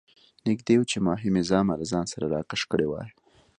نږدې وو چې ماهي مې زامه له ځان سره راکش کړې وای.